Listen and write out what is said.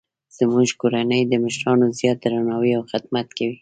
زموږ کورنۍ د مشرانو زیات درناوی او خدمت کوي